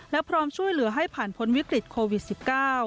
และพร้อมช่วยเหลือให้ผ่านพ้นวิกฤตโควิด๑๙